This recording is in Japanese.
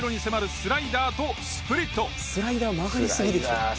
スライダー曲がりすぎでしょ。